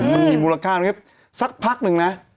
มันมีมูลค่าสักพักนึงนะ